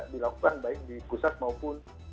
dilakukan baik di pusat maupun